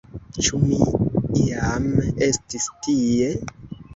Ĉu mi iam estis tie?